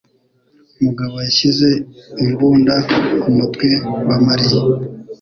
Mugabo yashyize imbunda ku mutwe wa Mariya.